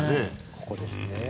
ここですね。